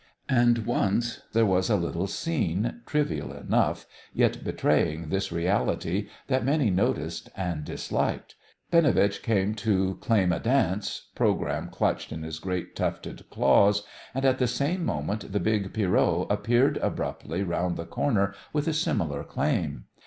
And once there was a little scene, trivial enough, yet betraying this reality that many noticed and disliked. Binovitch came up to claim a dance, programme clutched in his great tufted claws, and at the same moment the big Pierrot appeared abruptly round the corner with a similar claim.